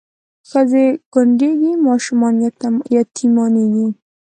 ښځې کونډېږي ماشومان یتیمانېږي